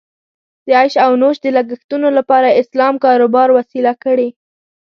د عیش او نوش د لګښتونو لپاره یې اسلام کاروبار وسیله کړې.